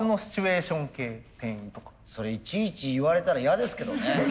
それいちいち言われたら嫌ですけどね。